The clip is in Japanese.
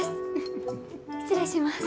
失礼します。